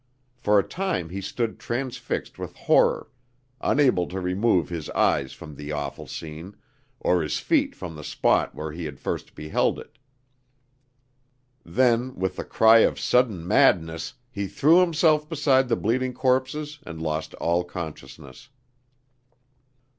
For a time he stood transfixed with horror, unable to remove his eyes from the awful scene, or his feet from the spot where he had first beheld it; then, with the cry of sudden madness, he threw himself beside the bleeding corpses and lost all consciousness.